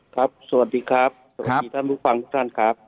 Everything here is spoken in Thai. สวัสดีครับสวัสดีท่านผู้ฟังทุกท่านครับ